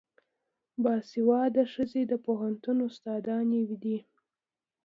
باسواده ښځې د پوهنتون استادانې دي.